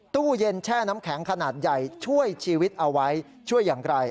ตู้เย็นแช่น้ำแข็งขนาดใหญ่ช่วยชีวิตเอาไว้ช่วยอย่างไร